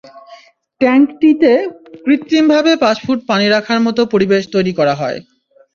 ট্যাংকটিতে কৃত্রিমভাবে পাঁচ ফুট পানি রাখার মতো পরিবেশ তৈরি করা হয়।